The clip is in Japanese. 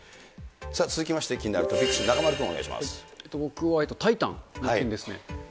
続きまして気になるトピックス、僕はタイタンの件です。